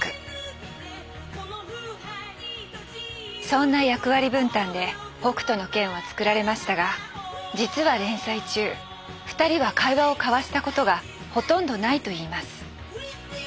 そんな役割分担で「北斗の拳」は作られましたが実は連載中２人は会話を交わしたことがほとんどないと言います。